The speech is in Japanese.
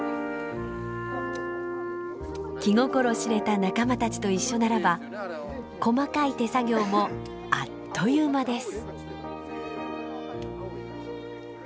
気心知れた仲間たちと一緒ならば細かい手作業もあっという間です。